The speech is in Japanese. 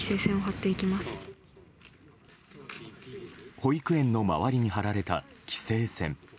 保育園の周りに張られた規制線。